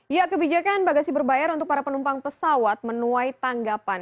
ya kebijakan bagasi berbayar untuk para penumpang pesawat menuai tanggapan